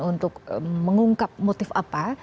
untuk mengungkap motif apa